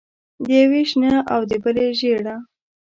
د یوې شنه او د بلې ژېړه.